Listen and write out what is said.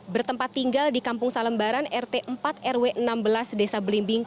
bertempat tinggal di kampung salembaran rt empat rw enam belas desa belimbing